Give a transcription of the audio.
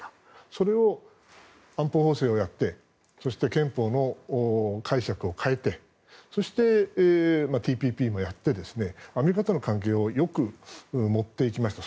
それを安保法制をやってそして憲法の解釈を変えてそして、ＴＰＰもやってアメリカとの関係をよく持っていきました。